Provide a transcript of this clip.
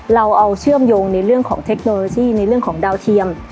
เราเอาเชื่อมโยงในเรื่องของเทคโนโลยีในเรื่องของดาวเทียม